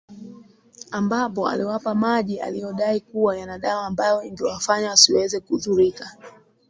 ambapo aliwapa maji aliyodai kuwa yana dawa ambayo ingewafanya wasiweze kudhurika